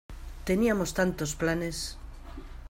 Teníamos tantos planes.